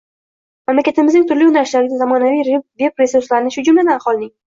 mamlakatimizning turli yo'nalishlardagi zamonaviy veb-resurslarini, shu jumladan, aholining